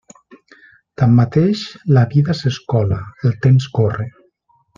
Tanmateix, la vida s'escola, el temps corre.